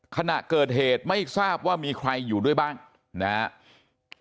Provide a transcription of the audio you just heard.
ขณะเกิดเหตุไม่ทราบว่ามีใครอยู่ด้วยบ้างนะครับ